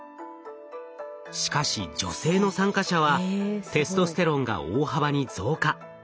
しかし女性の参加者はテストステロンが大幅に増加。